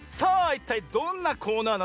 いったいどんなコーナーなのか？